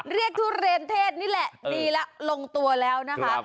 ทุเรียนเทศนี่แหละดีแล้วลงตัวแล้วนะคะ